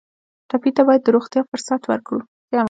ټپي ته باید د روغتیا فرصت ورکړو.